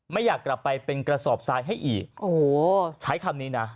ไม่อยากกลับไปเป็นกระสอบทรายให้อีกโอ้โหใช้คำนี้นะ